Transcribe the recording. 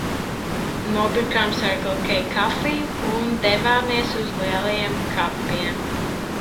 Nopirkām Circle K kafiju un devāmies uz Lielajiem kapiem.